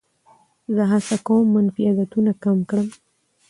زه هڅه کوم منفي عادتونه کم کړم.